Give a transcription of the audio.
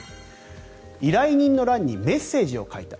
依頼人の欄にメッセージを書いた。